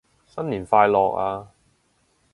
新年快樂啊